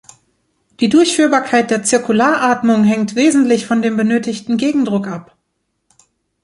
Die Durchführbarkeit der Zirkularatmung hängt wesentlich von dem benötigten Gegendruck ab.